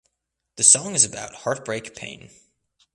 The song is about heartbreak pain.